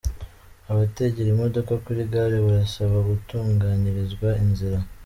Abategera imodoka kuri gare barasaba gutunganyirizwa inzira